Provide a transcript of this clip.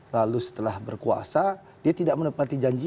lalu setelah berkuasa dia tidak menepati janji